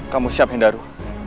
kamu siap hendaru